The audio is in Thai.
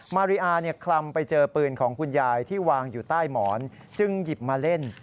มาริอาคลำไปเจอปืนของคุณยายที่วางอยู่ใต้หมอนจึงหยิบมาเล่น